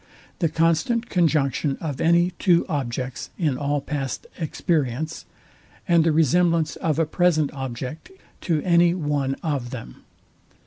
the constant conjunction of any two objects in all past experience, and the resemblance of a present object to any one of them.